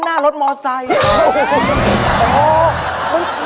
ไม่มีอะไรของเราเล่าส่วนฟังครับพี่